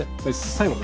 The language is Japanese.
最後。